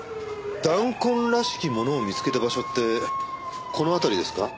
弾痕らしきものを見つけた場所ってこの辺りですか？